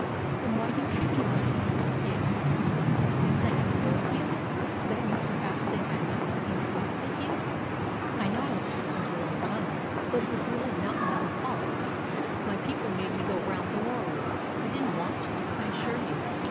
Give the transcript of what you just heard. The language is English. "Then why do you treat me like this?" he asked. "Is it because I have annoyed you, that you perhaps think I am not keeping faith with you? I know I was absent a long time, but it was really not my own fault. My people made me go round the world. I didn't want to, I assure you.